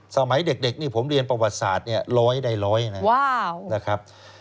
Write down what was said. สมัยเด็กนี่ผมเรียนประวัติศาสตร์๑๐๐ใด๑๐๐นะครับ